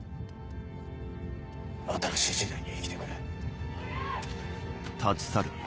新しい時代に生きてくれ。